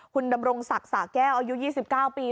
คุณดำรงศักดิ์สะแก้วอายุ๒๙ปี